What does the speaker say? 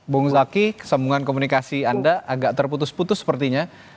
bung zaki kesambungan komunikasi anda agak terputus putus sepertinya